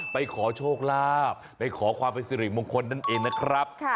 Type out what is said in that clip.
ไปขอโชคลาภไปขอความเป็นสิริมงคลนั่นเองนะครับ